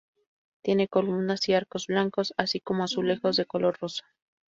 Tiene columnas y arcos blancos, así como azulejos de color rosa.